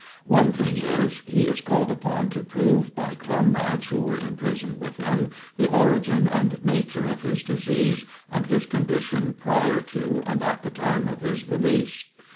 One thing is, he is called upon to prove by comrades who were in prison with him, the origin and nature of his disease, and his condition prior to and at the time of his release.